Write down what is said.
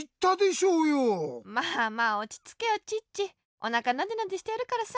おなかなでなでしてやるからさ。